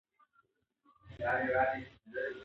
سبا به په ډېرو سیمو کې باران وورېږي.